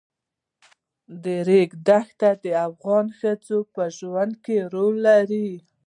د ریګ دښتې د افغان ښځو په ژوند کې رول لري.